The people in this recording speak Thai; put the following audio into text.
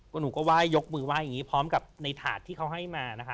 ก็หนูก็ไหว้ยกมือไห้อย่างนี้พร้อมกับในถาดที่เขาให้มานะคะ